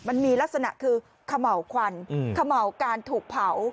มันมีลักษณะคือเขม่าวควันเขม่าการถูกเผา